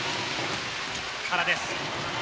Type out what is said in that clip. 原です。